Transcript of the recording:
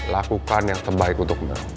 lakukan yang terbaik untukmu